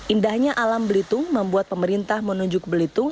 indahnya alam belitung membuat pemerintah menunjuk belitung